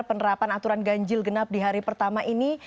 penerapan aturan ganjil genap di hari pertama ini